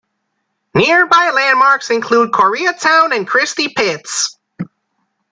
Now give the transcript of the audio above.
Nearby landmarks include Korea Town and Christie Pits.